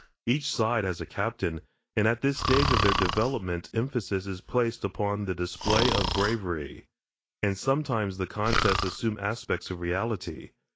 Each side has a captain, and at this stage of their development emphasis is placed upon the display of bravery. And sometimes the contests assume aspects of reality.